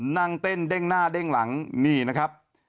นั่งเต้นเด้งหน้าเด้งหลังนี่นะครับ